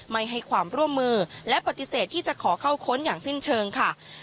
ไม่ให้ความร่วมมือและปฏิเสธที่จะขอเข้าค้นอย่างสิ้นเชิงค่ะ